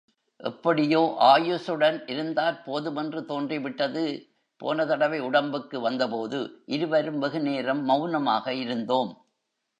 எப்படியோ ஆயுசுடன் இருந்தாற் போதுமென்று தோன்றிவிட்டது போனதடவை உடம்புக்கு வந்தபோது... இருவரும் வெகுநேரம் மெளனமாக இருந்தோம்.